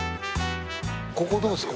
ここどうですか？